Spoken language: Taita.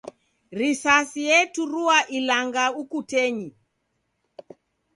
Risasi eturua ilanga ukutenyi.